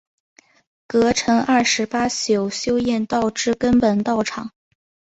葛城二十八宿修验道之根本道场。